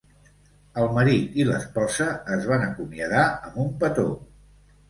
El marit i l'esposa es van acomiadar amb un petó.